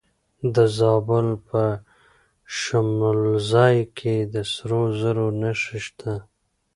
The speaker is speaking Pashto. د زابل په شمولزای کې د سرو زرو نښې شته.